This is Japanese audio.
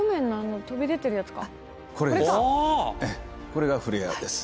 これがフレアです。